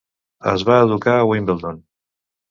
Es va educar a Wimbledon.